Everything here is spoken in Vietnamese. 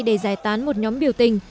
để giải tán một nhóm biểu tình